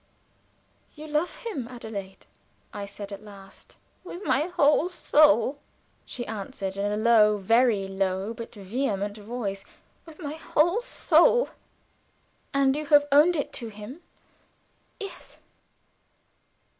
"You love him, Adelaide?" I said, at last. "With my whole soul!" she answered, in a low, very low, but vehement voice. "With my whole soul." "And you have owned it to him?" "Yes."